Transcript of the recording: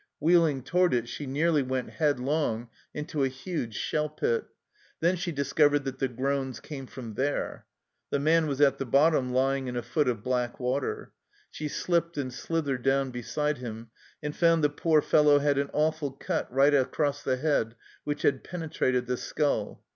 Wheeling toward it, she nearly went headlong into a THE END OF 1914 173 huge shell pit ; then she discovered that the groans came from there. The man was at the bottom, lying in a foot of black water. She slipped and slithered down beside him, and found the poor fellow had an awful cut right across the head which had penetrated the skull.